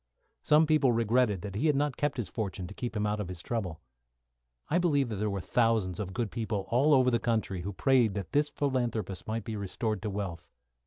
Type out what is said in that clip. Some people regretted that he had not kept his fortune to help him out of his trouble. I believe there were thousands of good people all over the country who prayed that this philanthropist might be restored to wealth.